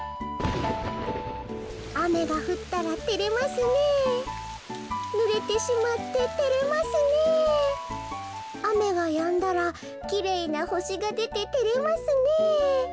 「あめがふったらてれますねえぬれてしまっててれますねえあめがやんだらきれいなほしがでててれますねえ」。